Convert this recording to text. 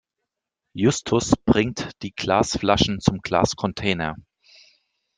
Justus bringt die Glasflaschen zum Glascontainer.